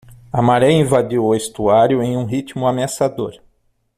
A maré invadiu o estuário em um ritmo ameaçador.